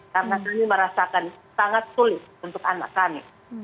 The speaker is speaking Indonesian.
karena kami merasakan sangat sulit untuk anak kami